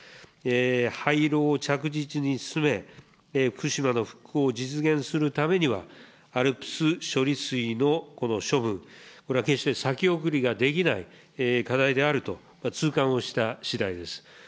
廃炉を着実に進め、福島の復興を実現するためには、ＡＬＰＳ処理水のこの処分、これは決して先送りができない課題であると痛感をしたしだいです。